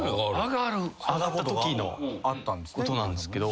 上がったときのことなんですけど。